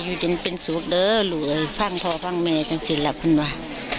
อยู่ที่นี่เป็นสุขเด้อฟังพ่อฟังแม่จังสินล่ะคุณว่า